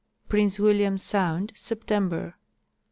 Prince William sound, September.